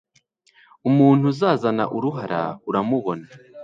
Umuntu uzazana uruhara uramubona